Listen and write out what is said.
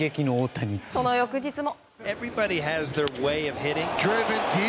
その翌日も。